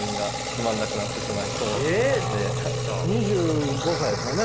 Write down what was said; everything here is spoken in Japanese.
２５歳ですよね？